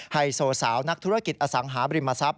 ไฮโซสาวนักธุรกิจอสังหาบริมทรัพย